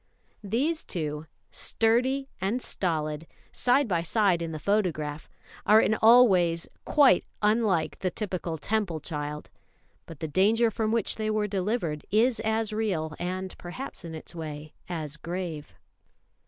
These two, Sturdy and Stolid, side by side in the photograph, are in all ways quite unlike the typical Temple child; but the danger from which they were delivered is as real, and perhaps in its way as grave.